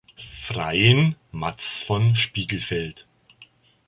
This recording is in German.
Freiin Matz von Spiegelfeld.